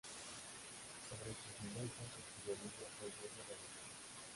Sobre sus vivencias escribió el libro "Dos veces rebelde".